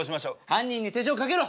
犯人に手錠かけろ。